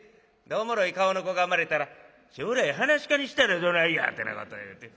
でおもろい顔の子が生まれたら「将来噺家にしたらどないや」ってなこと言うて。